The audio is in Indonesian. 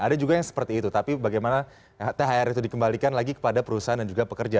ada juga yang seperti itu tapi bagaimana thr itu dikembalikan lagi kepada perusahaan dan juga pekerja